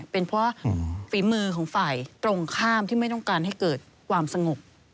เป็นเพราะฝีมือของฝ่ายตรงข้ามที่ไม่ต้องการให้เกิดความสงบ